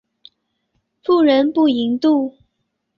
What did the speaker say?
妇人不淫妒。